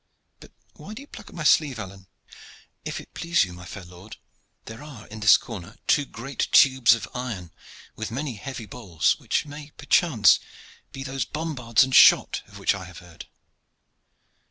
But why do you pluck my sleeve, Alleyne?" "If it please you, my fair lord, there are in this corner two great tubes of iron, with many heavy balls, which may perchance be those bombards and shot of which I have heard."